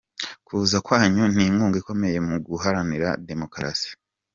Kuza kwanyu n’inkunga ikomeye mu Guharanira Demokarasi.